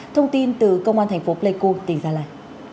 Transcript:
thông tin từ công an thành phố pleiku tỉnh gia lai